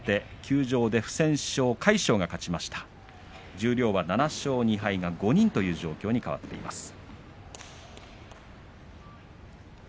十両は７勝２敗が５人という状況に変わりました。